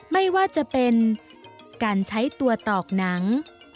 ไม่ว่าจะเป็นการใช้ตัวตอกหนัง